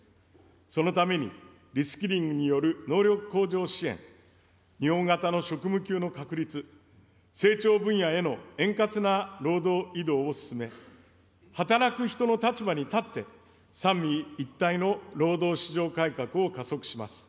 そのために、リスキリングによる能力向上支援、日本型の職務給の確立、成長分野への円滑な労働移動を進め、働く人の立場に立って、三位一体の労働市場改革を加速します。